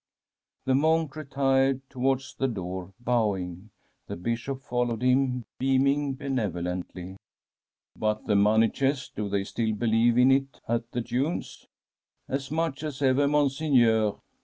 The monk retired towards the door, bowing. The Bishop followed him, beaming benevolently. * But the money chest— do they still believe in It at the dunes ?'* As much as ever, Monseigneur.